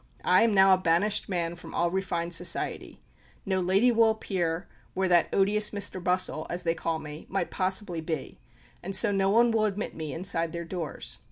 I am now a banished man from all refined society: no lady will appear, where that odious Mr Bustle, as they call me, might possibly be; and so no one will admit me inside their doors.